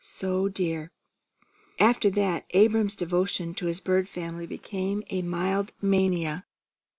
So dear!" After that Abram's devotion to his bird family became a mild mania.